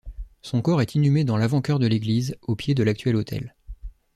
Son corps est inhumé dans l'avant-chœur de l'église, au pied de l'actuel autel.